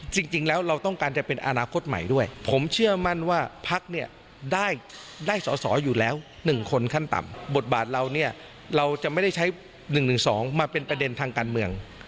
จริงแล้วเราต้องการจะเป็นอนาคตใหม่ด้วยผมเชื่อมั่นว่าพักเนี่ยได้สอสออยู่แล้ว๑คนขั้นต่ำบทบาทเราเนี่ยเราจะไม่ได้ใช้๑๑๒มาเป็นประเด็นทางการเมือง